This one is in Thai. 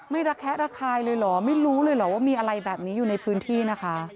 ระแคะระคายเลยเหรอไม่รู้เลยเหรอว่ามีอะไรแบบนี้อยู่ในพื้นที่นะคะ